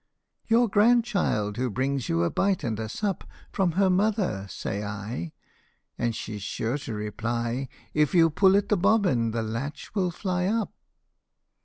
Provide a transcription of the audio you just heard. ' Your grandchild, who brings you a bite and a sup From her mother,' say I ; And she 's sure to reply, ' If you pull at the bobbin the latch will fly up.'